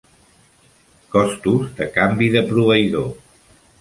Costos de canvi de proveïdor.